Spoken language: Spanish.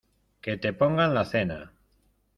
Que te pongan la cena.